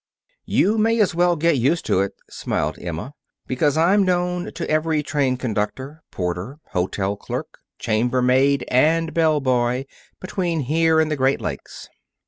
"You may as well get used to it," smiled Emma, "because I'm known to every train conductor, porter, hotel clerk, chamber maid, and bell boy between here and the Great Lakes."